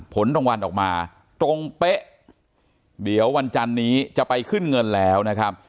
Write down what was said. ผลรางวัลออกมาตรงเป๊ะเดี๋ยววันจันนี้จะไปขึ้นเงินแล้วนะครับ